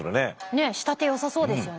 ねえ仕立てよさそうですよね。